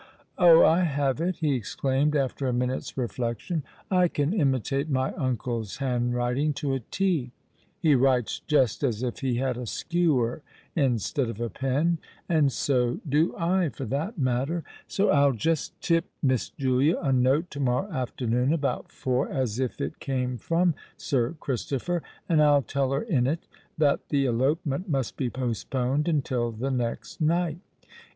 Oh! I have it!" he exclaimed, after a minute's reflection. "I can imitate my uncle's handwriting to a t. He writes just as if he had a skewer instead of a pen—and so do I, for that matter. So I'll just tip Miss Julia a note to morrow afternoon about four, as if it came from Sir Christopher; and I'll tell her in it that the elopement must be postponed until the next night.